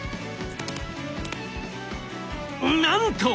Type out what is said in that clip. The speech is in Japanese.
なんと！